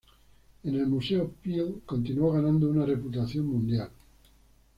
En el museo Peale continuó ganando una reputación mundial.